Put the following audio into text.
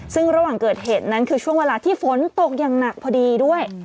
ซึ่งระหว่างเกิดเหตุนั้นคือช่วงเวลาที่ฝนตกอย่างหนักพอดีด้วย